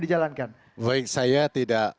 dijalankan baik saya tidak